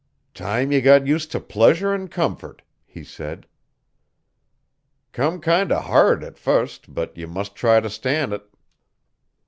'Time ye got used t' pleasure 'n comfort,' he said. 'Come kind o' hard, at fast, but ye mus' try t' stan' it.